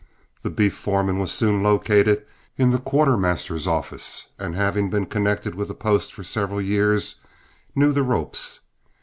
The beef foreman was soon located in the quartermaster's office, and, having been connected with the post for several years, knew the ropes.